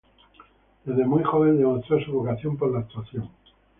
Desde muy joven demostró su vocación por la actuación.